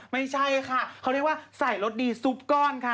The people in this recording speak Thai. ไม่ใช่ค่ะเขาเรียกว่าใส่รสดีซุปก้อนค่ะ